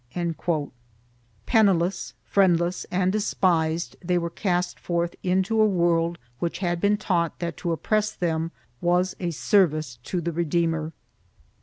"1 Penniless, friendless and despised they were cast forth into a world which had been taught that to oppress them was a service to the Redeemer.